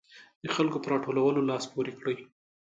د خلکو په راټولولو لاس پورې کړي.